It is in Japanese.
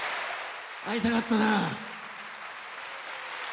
会いたかったな。